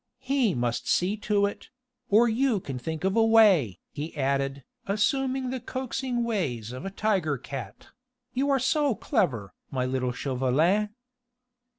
He must see to it.... Or you can think of a way," he added, assuming the coaxing ways of a tiger cat; "you are so clever, my little Chauvelin."